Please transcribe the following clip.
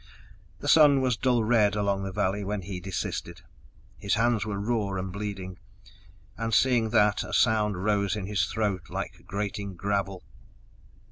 The sun was dull red along the valley when he desisted; his hands were raw and bleeding, and seeing that, a sound rose in his throat like grating gravel.